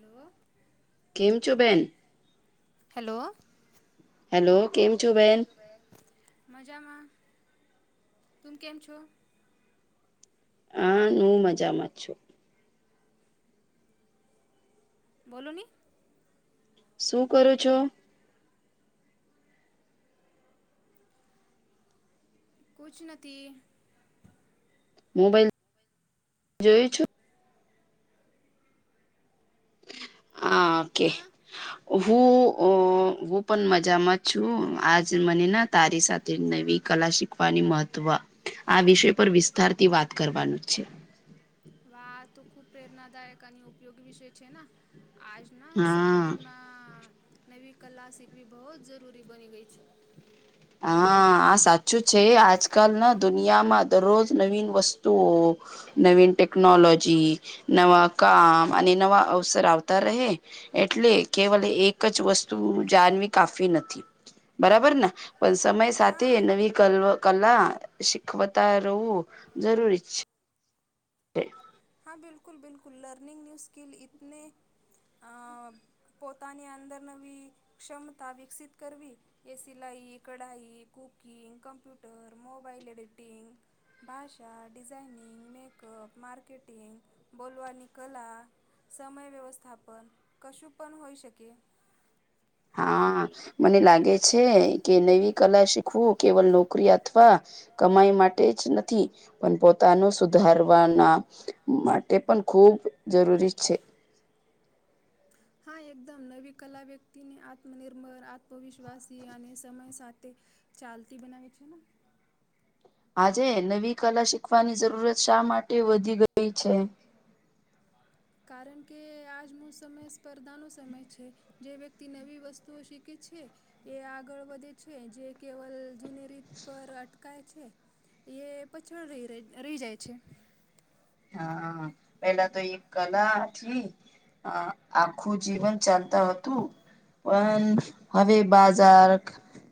Hello કેમ છો બેન હેલો હેલો કેમ છો બેન મજામાં તુમે કેમ છો હ હું મજામાંત છું બોલો ન શું કરો છો કછ નથી મોબાઈલ જોયું છું હા ઓકે હા હું હું પણ મજામાં છું આજ મને ના તારી સાથે નવી કલા શીખવાની મહત્વ આ વિષય પર વિસ્તાર થી વાત કરવાનું છે વા તો ખુબ પ્રેરણાદાયક અને ઉપયોગી વિષય છે આજ એના હા સમયમાં નવી કલા સીખવી બહુ જરૂરી બની ગઈ છે હા આ સાચું છે આજકાલ ના દુનિયામાં દરરોજ નવીન વસ્તુઓ નવીન ટેકનોલોજી નવા કામ અને નવા અવસર આવત રહે એટલે કેવલે એક જ વસ્તુ જાનવી કાફવી નથી બરાબર ને પણ સમય સાથે હા નવી ક કલા શીખવતા રહેવું જરૂરી છે હ હા બિકુલ બિલકુ લર્નિંગ યુ સ્કલ તને પોતાની અંદર નવી ક્ષમતા વિકસિત કરવી એ સિલાઈ કઢાઈ કુકિંગ કમ્પ્યુટર મોબાઈલ એડિટિંગ ભાષા ડિઝાઇનિંગ મેકઅપ માર્કેટિંગ બોલવાની કલા સમય વ્યવસ્થાપન કશું પણ હોઈ શકે હા મને લાગે છે કે નવી કલા શીખવું કેવલ લોકો નોક અથવા કમાઈ માટે જ નથી પણ પોતાનું સુધારવાના માટે પણ ખૂબ જરૂરી છે [inaudible] હા એકદમ નવી કલા વ્યક્તિને આત્મનિર્ભર આત્મવિશ્વાસી અને સમય સાથે ચાલતી બનાવે છે આજે નવી કલા શીખવાની જરૂરત શા માટે વધી ગઈ છે કારણ કે આજનો સમય સ્પર્ધાનો સમય છે. જે વ્યક્તિ નવી વસ્તુઓ શીખે છે, એ આગળ વધે છે. જે કેવલ જૂની રીત પર અટકાય છે, એ પછળ રહી રહી રહી જાય છે. હા પેલા તો એક કલાથી હ આખું જીવન ચાલતા હતું પણ હવે બા જાર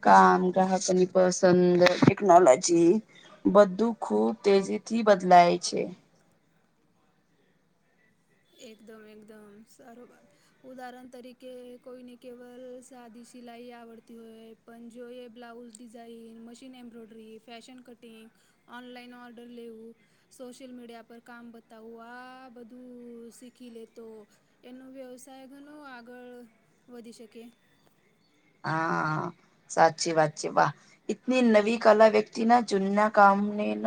કામ ગ્રાહકની પસંદ ટેકનોલોજી બધું ખૂબ તેજીથી બદલાય છે. એકદમ એકદમ સારું વાત ઉદાહરણ તરીકે કોઈને કેવલ સાદી સિલાઈ આવડતી હોય પણ જો એ blouse design, machine embroidery, fashion cutting, online order લેવું, સોશિયલ મીડિયા પર કામ બતાવવું આ બધું શીખી લે તો એનો વ્યવસાય ઘણો આગળ વધી શકે. હા સાચી વાત છે, વાહ ઈતની નવી કલા વ્યક્તિ ના ચૂના કામ ને ન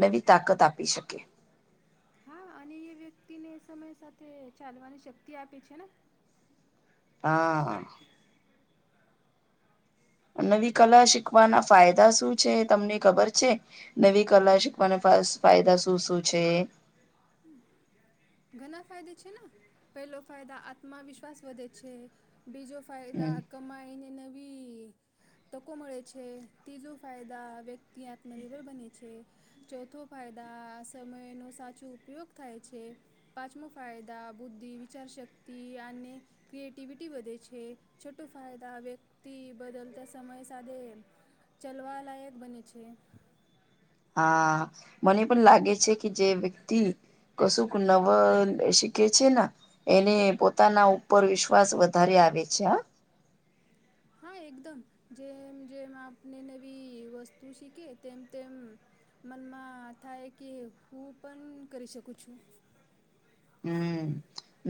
નવી તાકાત આપી શકે હા અને એ વ્યક્તિને સમય સાથે ચાલવાની શક્તિ આપે છે ને હા. નવી કલા શીખવાના ફાયદા શું છે, તમને ખબર છે? નવી કલા મને ફસ ફાયદા શું શું છે? હમ. ઘણા ફાયદા છે, ને પેલો ફાયદા આત્માવિશ્વાસ વધે છે, બીજો ફાયદા હમ અ કમાઈ ને નવી તકો મળે છે, તીજો ફાયદા વ્યક્તિ આત્મનિર્ભર બને છે, ચોથો ફાયદા સમય નો સાચો ઉપયોગ થાય છે. પાંચમો ફાયદા બુદ્ધિ, વિચારશક્તિ, અને ક્રિએટિવિટી વધે છે, છોટો ફાયદા વ્યક્તિ બદલતા સમય સાથેે ચલવા લાયક બને છે. હા મને પણ લાગે છે, કે જે વ્યક્તિ કશું નવ શીખે છે ને એને પોતાના ઉપર વિશ્વાસ વધારે આવે છે, હ. હા એકદમ જેમ જેમ આપણે નવી વસ્તુ શીખે તેમ તેમ મનમાં થાય કે હું પણ કરી શકું છું. હમ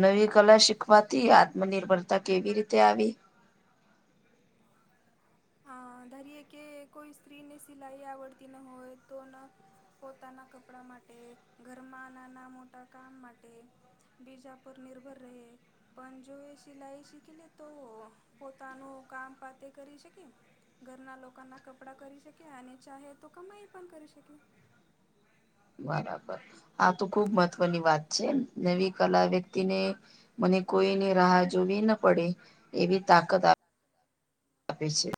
નવી કલા શીખવાથી આત્મનિર્ભરતા કેવી રીતે આવી અ ધારીએે કે કોઈ સ્ત્રીને સિલાઈ આવડતી ન હોય તો ન પોતાના કપડા માટે, ઘરમાં નાના મોટા કામ માટે, બીજા પર નિર્ભર રહે પણ જો એ સિલાઈ શીખી લે તો પોતાનું કામ પાતે કરી શકે ઘરના લોકો ના કપડા કરી શકે અને ચાહે તો કમાઈ પણ કરી શકે બરાબર આ તો ખુબ મહત્વની વાત છે, નવી કલા વ્યક્તિને મને કોઈની રાહ જોવી ના પડે એવી તાકાત આ અપે છે.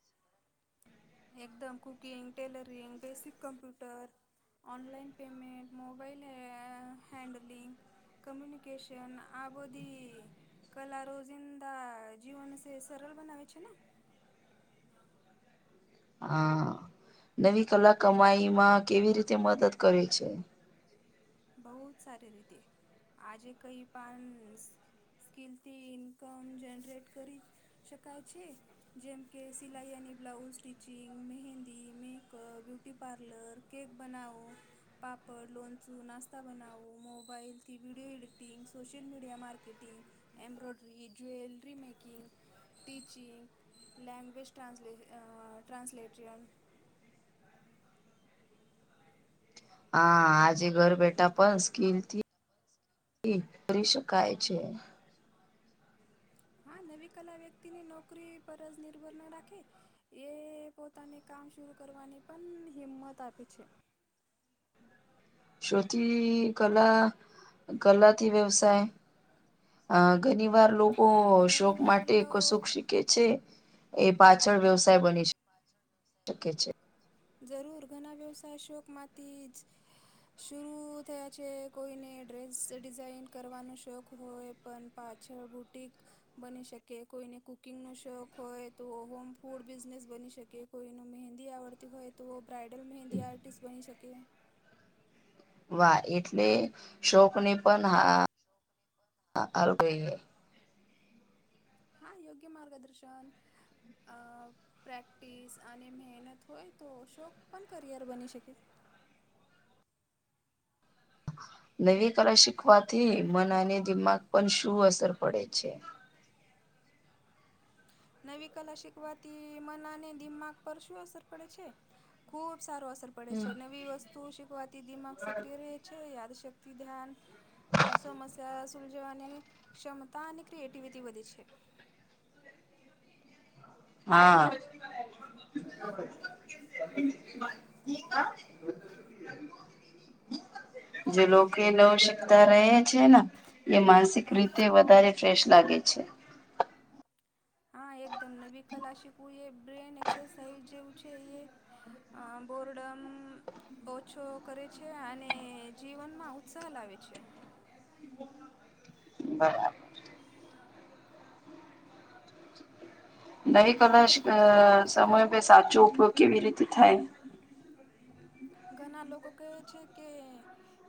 એકદમ cooking, tailoring, basic computer, online payment, mobile હે હેન્ડલિંંગ, કમ્યુનિકેશન આ બધી કલા રોઝિંદા જીવન સે સરળ બનાવે છે ને હા નવી કલા કમાઈ માં કેવી રીતે મદદ કરે છે? બહુ જ સારી રીતે આજે કઈ પાન સ્કિલથી ઇન્કમ જનરેટ કરી શકાય છે. જેમકે સિલાઈ અની blouse stitching, mehndi makeup, beauty parlour, cake બનાવો, પાપડ, લોણચું, નાસ્ તા બનાવો, મોબાઈલ થી video editing, social media marketing, embroidery jewellery making teaching language ટ્રસલે ટ્રાસલેટન હા આજે ઘર બેઠા પણ સ્કીલ થી કરી શકાાય છે હા નવી કલા વ્યક્તિની નોકરી પર જ નિર્ભર ના રાખે એ પોતાની કામ શર કરવાની પણ હિંમત આપી છે શોતી કલા ગલાથી વ્યવસાય અ ઘણી વાર લોકો શોક ઘણી વાર માટેશું લોક શ કે છે એ પાછળ વ્યવસાય બની છે પાચન શકે છે જરૂર ઘણા વ્યવસાય શોકમાંથી જ શર થયા છે કોઈને ડ્રેસ ડિઝાઇન કરવાનો શોખ હોય પણ પાછળ બુટિક બની શકે કોઈને કુકિંગ નો શોખ હોય તો હોમ ફૂડ બિઝનેસ બની શકે કોઈનું મહેંદી આવડતી હોય તો બ્રાઇડલ મહેંદી આર્ટિસ્ટ બની શકે વાહ એટલે શોક ને પણ ગઈ હા યોગ્ય માર્ગદર્શન પ્રેક્ટિસ અને મહેનત હોય તો શોક પણ કરિયર બની શકે નવી કલા શીખવાથી મન અને દિમાગ પર શું અસર પડે છે નવી કલા શીખવાથી મનને દિમાગ પર શું અસર પડે છે ખૂબ સારું અસર પડે છે નવી વસ્તુ શીખવાતી દિમાગ સક્રિય રહે છે યાદશક્તિ ધ્યાન સમસ્યા સુલજવાની ક્ષમતા અને ક્રિએટિવિટી વધી છે હા [inaudible] જે હેલો લોકો નવ શકતા રહે છે ને એ માનસિક હા. રીતે વધારે ફ્રેશ લાગે છે હા એકદમ નવી કલા શીખવું એ બ્રેન એક્સરસાઇઝ જેવું છે એ અ બોર્ડમ ઓછો કરે છે અને જીવનમાં ઉત્સાહ લાવે છે બરા નવી કલાશ સમય ભ સાચો ઉપયોગ કેવી રીતે થાય ઘણા લોકો કહે છે કે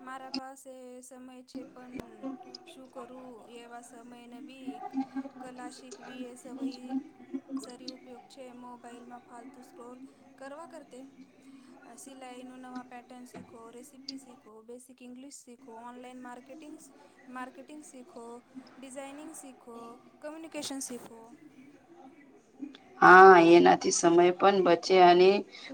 મારા પાસે સમય છે પણ શું કરું એવા સમય નવી કલા શિકવી એ સ વય સરી ઉપયોગ છે મોબાઈલમાં ફાલતુ સ્ક્રોલ કરવા કરતા સિ ઈનું નવા પેટન શીખો રેસીપી શીખો બેસિક ગ્લિશ શીખો ઓનલાઈન માર્કેટિંગ્ માર્્કેટિંગ સીખો ડિઝાઇનિંગ સીખો કમ્યુનિકેશન સીખો હા એનાથી સમય પણ બચે અને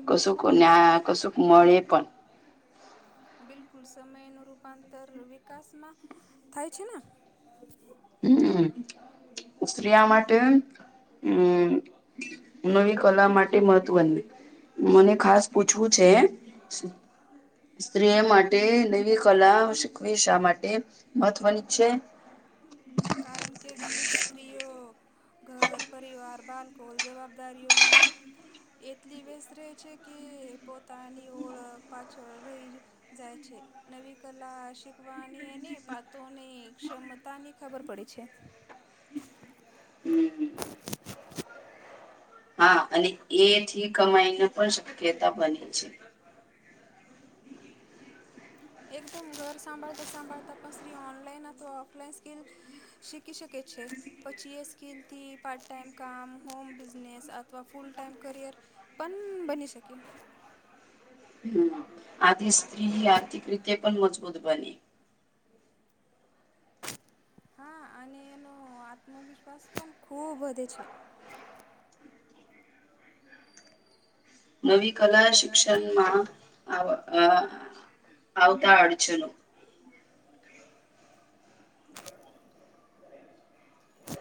કશુંયા કશું મળે પણ હ બિલકુલ સમય નું રૂપાંતર વિકાસમાં થાય છે ને હમ સ્ત્રીિયા માટે હમ નવી કલા માટે મહત્વને મને ખાસ પૂછવું છે સ્ત્રીઓ માટે નવી કલા શખ શા માટે મહત્વની છે કારણ કે ઘન સ્ત્રીઓ ઘર પરિવાર બાળકો જવાબદારીઓમાં એટલી વ્યસ્ત રહે છે કે પોતાની ઓળખ પાછળ રહી જાય છે નવી કલા શીખવાની એ પાતોની ક્ષમતાની ખબર પડી છે હમ [inaudible] હા અને એથી કમાઈને પણ શક્યતા બને છે એકદમ ઘર સાંભાળતા સાંભાળતા પણ સ્ત્રી ઓનલાઈન અથવા ઓફલાઈન સ્કિલ શીખી શકે છે પછી એ સ્કેલથી પાર્ટ ટાઈમ કામ હોમ બિઝનેસ અથવા ફુલ ટાઈમ કરિયર પણ બની શકે આ સ્ત્રી આર્થિક રીતે પણ મજબૂત બને હા અને એનો આત્મવિશ્વાસ પણ ખુબ વધે છે [inaudible] નવી કલા શિક્ષણમાં આવતા અડચનો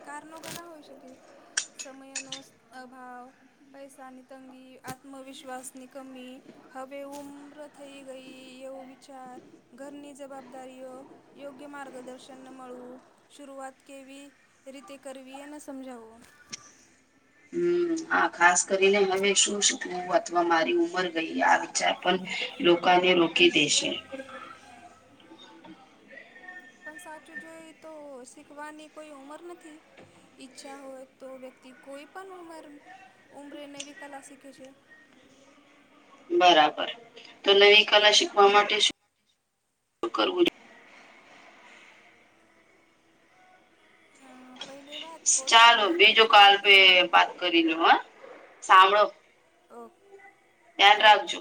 કારણો ઘણા હોય શકે સમયનો અભાવ પૈસાની તંગી આત્મવિશ્વાસની કમી હવે ઉમ્ર થઈ ગઈ એવો વિચાર ઘરની જવાબદારીઓ યોગ્ય માર્ગદર્શન મળળવું સુરૂઆત કેવી રીતે કરવી એને સમજાવવું હમ હ ખાસ કરીને હવે શું શીખવું અથવા મારી ઉંમર ગઈ આ વિચાર પણ લોકોને રોકી દેશે પણ સાચું જોઈ તો શીખવાની કોઈ ઉંમર નથી ઈચ્છા હોય તો વ્યક્તિ કોઈ પણ ઉમર ઉમરેનેવી કલા શીખે છે બરાબર તો નવી કલા શીખવા માટે શું કરવું હ પહેલે વાત ચાલો પોતાને બીજું કાલ પૂછવું કે મને ભ વાત કરી લો હા સાંભળો ઓ ધ્યાન ઓકે રાખજો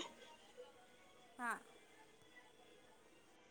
હા